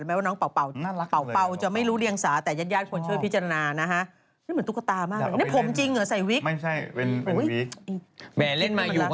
ดื้อตอนนี้มันสนพี่อะไรไม่รู้